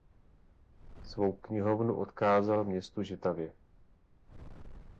Svou knihovnu odkázal městu Žitavě.